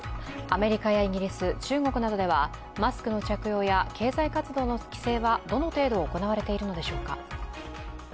アメリカやイギリス、中国などではマスクの着用や経済活動の規制はどの程度行われているのでしょうか。